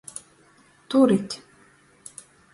Turit!